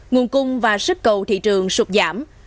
nguồn cung và sức cầu thị trường sụp giảm